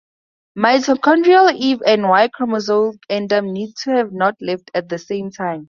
Mitochondrial Eve and Y-chromosomal Adam need not have lived at the same time.